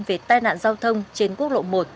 về tai nạn giao thông trên quốc lộ một